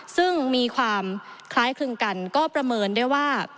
ซึ่งมีความคล้ายคลึงกันก็ประเมินได้ว่า